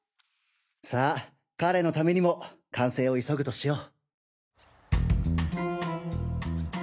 さあ彼のためにも完成を急ぐとしよう。